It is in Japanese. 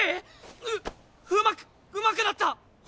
ううまくうまくなった⁉俺！